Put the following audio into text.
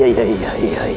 untuk membuat rai